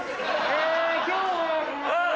え今日は。